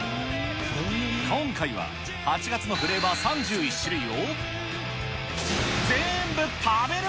今回は８月のフレーバー３１種類を、全部食べる。